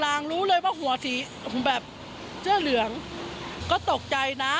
งรู้เลยว่าหัวสีแบบเสื้อเหลืองก็ตกใจนะ